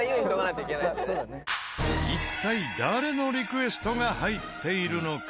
一体誰のリクエストが入っているのか？